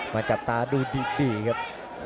จับตาดูดีครับ